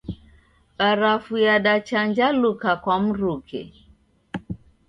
Barafu yadachanjaluka kwa mruke.